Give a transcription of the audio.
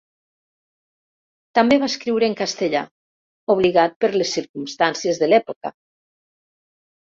També va escriure en castellà, obligat per les circumstàncies de l'època.